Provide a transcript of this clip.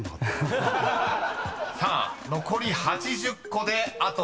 ［さあ残り８０個であと２人］